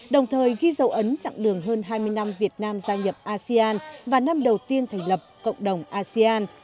đồng thời ghi dấu ấn trạng đường hơn hai mươi năm việt nam gia nhập asean và năm đầu tiên thành lập cộng đồng asean